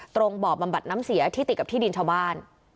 บ่อบำบัดน้ำเสียที่ติดกับที่ดินชาวบ้าน